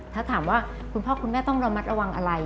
ถ้าถามว่าคุณพ่อคุณแม่ต้องระมัดระวังอะไร